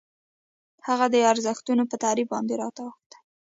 هغه د ارزښتونو په تعریف باندې راته اوښتي.